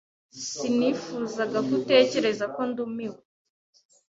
Sinifuzaga ko utekereza ko ndumiwe.